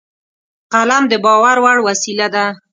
قلم د باور وړ وسیله ده